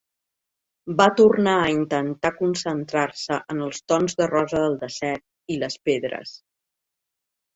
Va tornar a intentar concentrar-se en els tons de rosa del desert i les pedres.